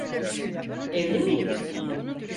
Evli miydi?